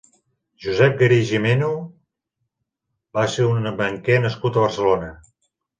Josep Garí i Gimeno va ser un banquer nascut a Barcelona.